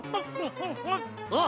あっ！